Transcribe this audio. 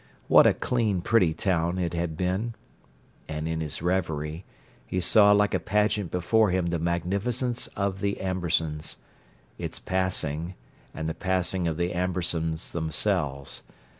What a clean, pretty town it had been! And in his reverie he saw like a pageant before him the magnificence of the Ambersons—its passing, and the passing of the Ambersons themselves.